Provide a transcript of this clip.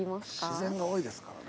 自然が多いですからね。